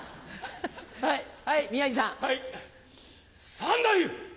三太夫！